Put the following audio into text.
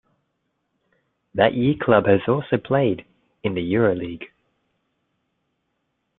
That year club has also played in the Euroleague.